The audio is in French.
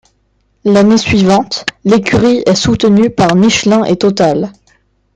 L'année suivante, l'écurie est soutenue par Michelin et Total.